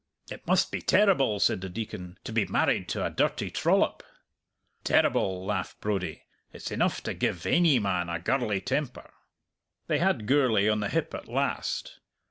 "It must be terrible," said the Deacon, "to be married to a dirty trollop." "Terrible," laughed Brodie; "it's enough to give ainy man a gurly temper." They had Gourlay on the hip at last.